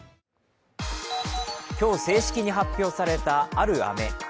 今日、正式に発表されたある飴。